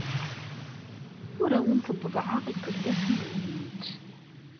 Ur awent-ḍebbɛeɣ igerdasen-nwent.